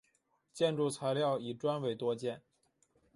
建筑材料以砖为多见。